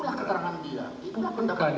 itulah keterangan dia bukan pendapat dia